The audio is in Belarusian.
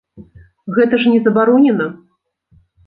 Гэта ж не забаронена.